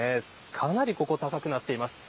かなり高くなっています。